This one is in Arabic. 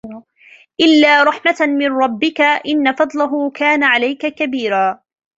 إلا رحمة من ربك إن فضله كان عليك كبيرا